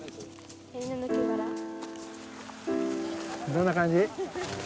どんな感じ？